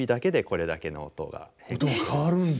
音が変わるんだ。